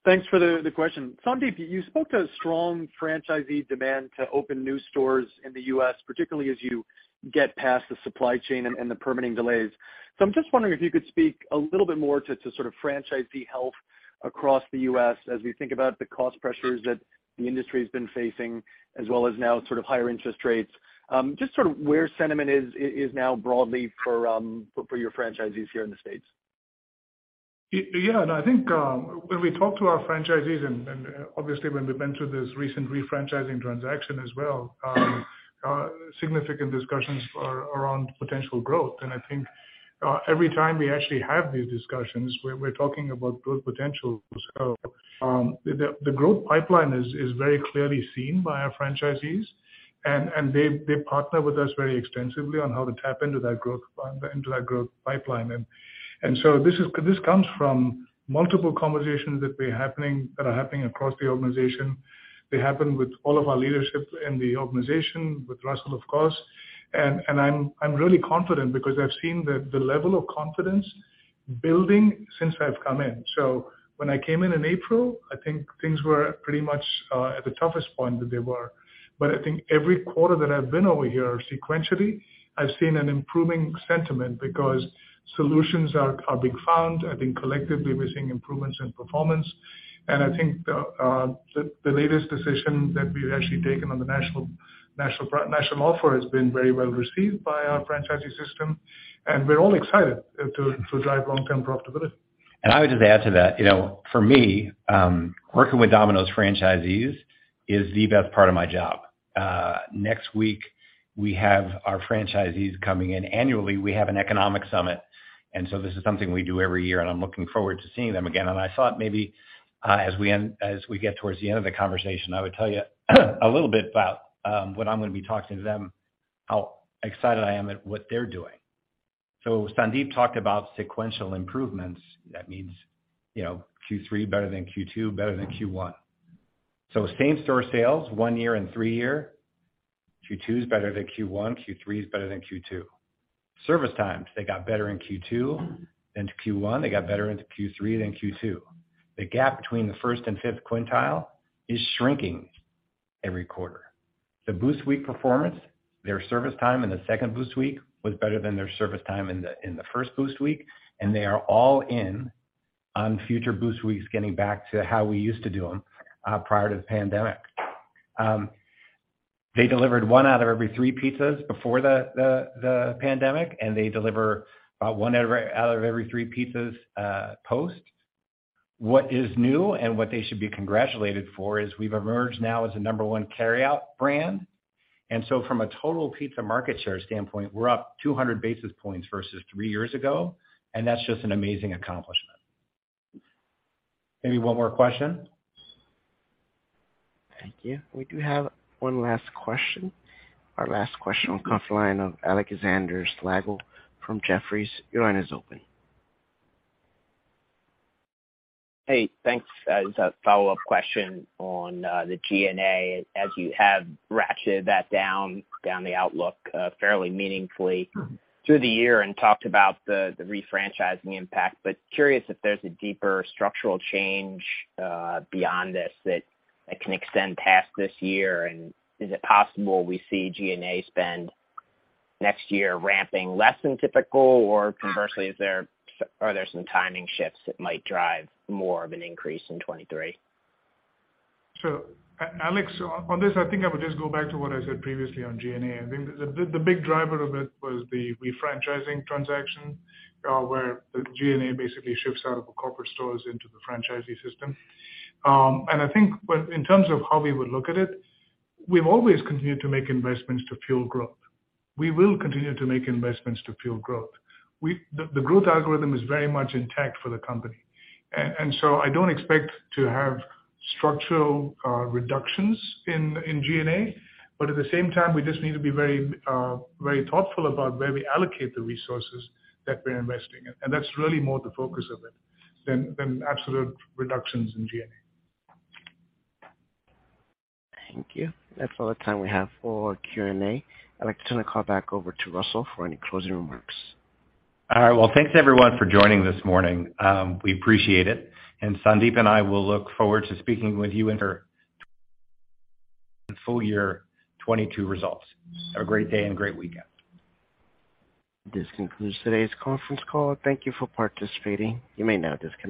Thanks for the question. Sandeep, you spoke to a strong franchisee demand to open new stores in the U.S., particularly as you get past the supply chain and the permitting delays. I'm just wondering if you could speak a little bit more to sort of franchisee health across the U.S. as we think about the cost pressures that the industry's been facing, as well as now sort of higher interest rates. Just sort of where sentiment is now broadly for your franchisees here in the States. Yeah. No, I think when we talk to our franchisees and obviously when we've been through this recent refranchising transaction as well, significant discussions are around potential growth. I think every time we actually have these discussions, we're talking about growth potential. The growth pipeline is very clearly seen by our franchisees and they partner with us very extensively on how to tap into that growth pipeline. This comes from multiple conversations that are happening across the organization. They happen with all of our leadership in the organization, with Russell, of course. I'm really confident because I've seen the level of confidence building since I've come in. When I came in in April, I think things were pretty much at the toughest point that they were. I think every quarter that I've been over here sequentially, I've seen an improving sentiment because solutions are being found. I think collectively we're seeing improvements in performance. I think the latest decision that we've actually taken on the national offer has been very well received by our franchisee system, and we're all excited to drive long-term profitability. I would just add to that. You know, for me, working with Domino's franchisees is the best part of my job. Next week, we have our franchisees coming in. Annually, we have an economic summit, and so this is something we do every year, and I'm looking forward to seeing them again. I thought maybe, as we get towards the end of the conversation, I would tell you a little bit about, what I'm gonna be talking to them, how excited I am at what they're doing. Sandeep talked about sequential improvements. That means, you know, Q3 better than Q2, better than Q1. Same store sales, one year and three year. Q2 is better than Q1, Q3 is better than Q2. Service times, they got better in Q2 than in Q1. They got better in Q3 than in Q2. The gap between the first and fifth quintile is shrinking every quarter. The Boost Week performance, their service time in the second Boost Week was better than their service time in the first Boost Week, and they are all in on future Boost Weeks getting back to how we used to do them prior to the pandemic. They delivered one out of every three pizzas before the pandemic, and they deliver about one out of every three pizzas post. What is new and what they should be congratulated for is we've emerged now as the number one carryout brand. From a total pizza market share standpoint, we're up 200 basis points versus three years ago, and that's just an amazing accomplishment. Maybe one more question. Thank you. We do have one last question. Our last question will come from the line of Alexander Slagle from Jefferies. Your line is open. Hey, thanks. Just a follow-up question on the G&A. As you have ratcheted that down the outlook fairly meaningfully through the year and talked about the refranchising impact. Curious if there's a deeper structural change beyond this that can extend past this year, and is it possible we see G&A spend next year ramping less than typical? Or conversely, are there some timing shifts that might drive more of an increase in 2023? Alex, on this, I think I would just go back to what I said previously on G&A. I think the big driver of it was the refranchising transaction, where the G&A basically shifts out of the corporate stores into the franchisee system. I think in terms of how we would look at it, we've always continued to make investments to fuel growth. We will continue to make investments to fuel growth. The growth algorithm is very much intact for the company. I don't expect to have structural reductions in G&A, but at the same time, we just need to be very thoughtful about where we allocate the resources that we're investing in. That's really more the focus of it than absolute reductions in G&A. Thank you. That's all the time we have for Q&A. I'd like to turn the call back over to Russell for any closing remarks. All right. Well, thanks everyone for joining this morning. We appreciate it. Sandeep and I will look forward to speaking with you in our full year 2022 results. Have a great day and great weekend. This concludes today's conference call. Thank you for participating. You may now disconnect.